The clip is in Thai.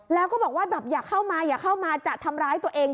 แล้วก็บอกว่าแบบอย่าเข้ามาอย่าเข้ามาจะทำร้ายตัวเอง